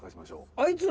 あいつら。